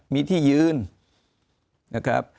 มีที่ยืนนะครับ